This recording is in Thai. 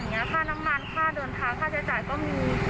เงี้ยค่าน้ำมันค่าเดินทางค่าจ่ายก็มี